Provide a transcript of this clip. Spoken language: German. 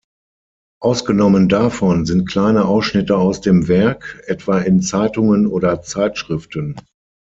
Ausgenommen davon sind kleine Ausschnitte aus dem Werk, etwa in Zeitungen oder Zeitschriften.